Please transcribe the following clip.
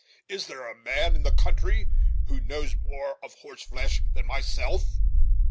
Is there a man in the county who knows more of horse flesh than myself?